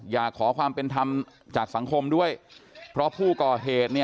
อยากขอความเป็นธรรมจากสังคมด้วยเพราะผู้ก่อเหตุ